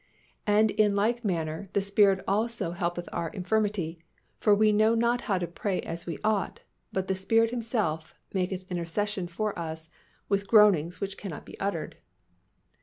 "And in like manner the Spirit also helpeth our infirmity; for we know not how to pray as we ought; but the Spirit Himself maketh intercession for us with groanings which cannot be uttered."